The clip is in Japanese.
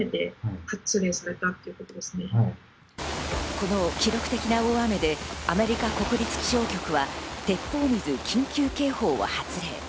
この記録的な大雨でアメリカ国立気象局は鉄砲水緊急警報を発令。